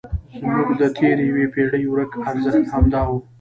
زموږ د تېرې یوې پېړۍ ورک ارزښت همدا و.